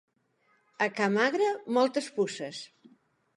A ca magre, moltes puces.